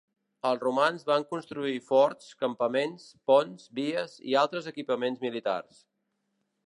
Els romans van construir forts, campaments, ponts, vies i altres equipaments militars.